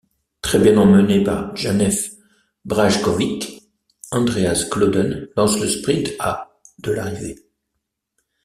Très bien emmené par Janez Brajkovič, Andreas Klöden lance le sprint à de l'arrivée.